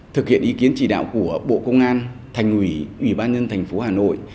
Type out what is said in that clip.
thực hiện ý kiến chỉ đạo của bộ công an thành ủy ủy ban nhân thành phố hà nội